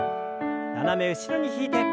斜め後ろに引いて。